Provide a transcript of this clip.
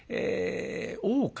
大岡